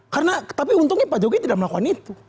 karena tapi untungnya pak jokowi tidak melakukan itu